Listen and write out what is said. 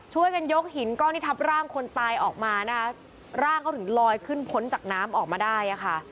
ช่วยกันยกหินก้อนที่ทับร่างคนตายออกมานะคะร่างเขาถึงลอยขึ้นพ้นจากน้ำออกมาได้อ่ะค่ะ